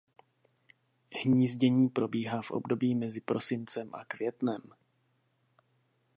Hnízdění probíhá v období mezi prosincem a květnem.